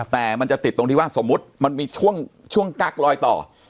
แต่มันจะติดตรงที่ว่าสมมุติมันมีช่วงกั๊กลอยต่อ